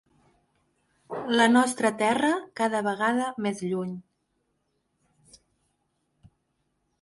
La nostra terra cada vegada més lluny.